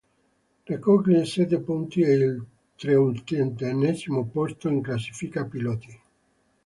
Raccoglie sette punti e il trentunesimo posto in classifica piloti.